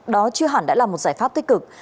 đó chưa hẳn đã là một giải pháp tích cực